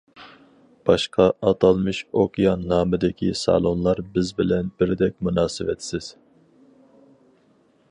باشقا ئاتالمىش «ئوكيان» نامىدىكى سالونلار بىز بىلەن بىردەك مۇناسىۋەتسىز.